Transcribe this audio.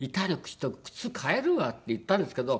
ちょっと靴替えるわ」って言ったんですけど。